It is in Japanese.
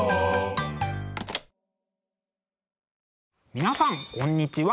☎皆さんこんにちは。